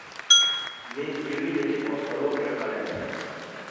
Ni winjo ni ok oluokre maler?